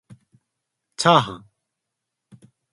ちゃーはん